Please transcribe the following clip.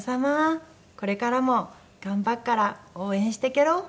これからも頑張っから応援してけろ。